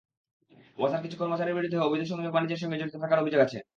ওয়াসার কিছু কর্মচারীর বিরুদ্ধেও অবৈধ সংযোগ-বাণিজ্যের সঙ্গে জড়িত থাকার অভিযোগ আছে।